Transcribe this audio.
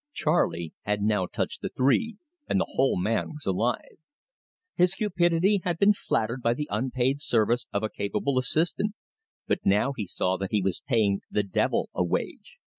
Charley had now touched the three, and the whole man was alive. His cupidity had been flattered by the unpaid service of a capable assistant, but now he saw that he was paying the devil a wage.